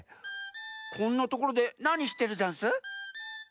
こんなところでなにしてるざんす？